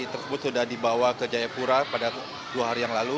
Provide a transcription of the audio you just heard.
tersebut sudah dibawa ke jayapura pada dua hari yang lalu